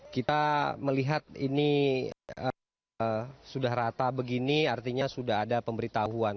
kita melihat ini sudah rata begini artinya sudah ada pemberitahuan